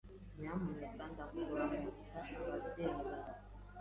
Nyamuneka ndakuramutsa ababyeyi bawe.